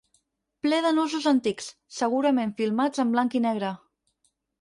Ple de nusos antics, segurament filmats en blanc i negre.